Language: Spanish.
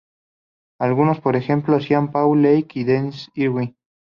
Algunos por ejemplo hacia Paul Lake y Denis Irwin.